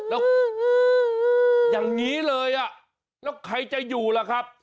อื้ออออออออย่างนี้เลยแล้วใครจะอยู่ล่ะครับ